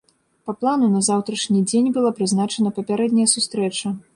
Па плану на заўтрашні дзень была прызначана папярэдняя сустрэча.